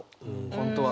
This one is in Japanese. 本当は。